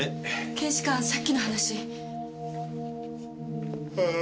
検視官さっきの話。